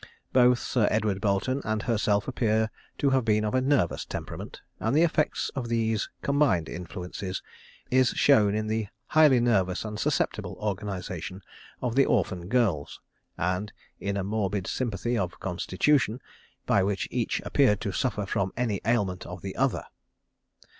Both Sir Edward Boleton and herself appear to have been of a nervous temperament, and the effects of these combined influences is shown in the highly nervous and susceptible organisation of the orphan girls, and in a morbid sympathy of constitution, by which each appeared to suffer from any ailment of the other.